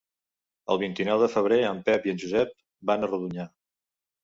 El vint-i-nou de febrer en Pep i en Josep van a Rodonyà.